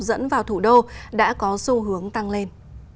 dẫn vào thủ đô đã có xu hướng tăng lên